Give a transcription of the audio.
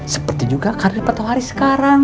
seperti juga karir patuh hari sekarang